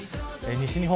西日本